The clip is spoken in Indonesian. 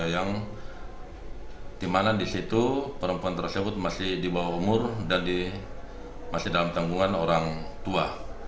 yang dimana di situ perempuan tersebut masih di bawah umur dan masih dalam tanggungan orang tua